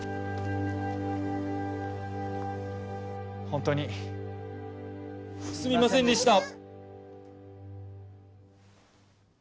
本当にすみませんでした